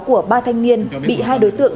của ba thanh niên bị hai đối tượng